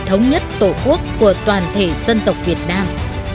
thống nhất tổ quốc của toàn thể dân tộc việt nam